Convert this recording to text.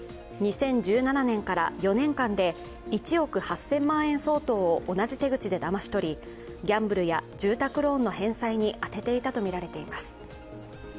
２０１７年から４年間で１億８０００万円相当を同じ手口でだまし取り、住宅ローンの返済に充てていたとみられています。